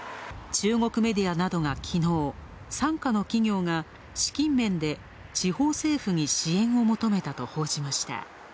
中国メディアなどがきのう、傘下の企業が資金面で地方政府に支援を求めたと報じました。